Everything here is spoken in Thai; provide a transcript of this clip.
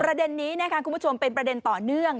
ประเด็นนี้นะคะคุณผู้ชมเป็นประเด็นต่อเนื่อง